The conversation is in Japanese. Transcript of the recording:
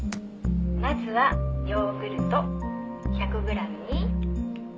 「まずはヨーグルト１００グラムに」